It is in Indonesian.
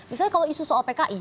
misalnya kalau isu soal pki